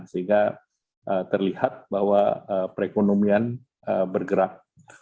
sehingga terlihat bahwa perekonomian bergerak